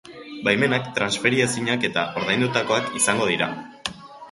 Baimenak transferiezinak eta ordaindutakoak izango dira.